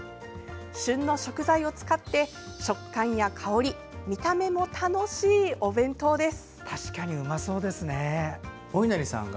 旬の食材を使って、食感や香り見た目も楽しいお弁当です。